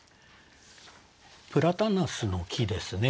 プラタナスの木ですね。